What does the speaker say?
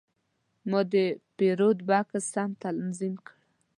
ما د پیرود بکس سم تنظیم کړ.